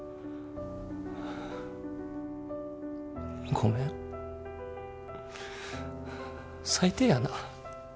ごめん最低やな。